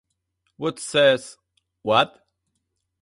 Woods says, What?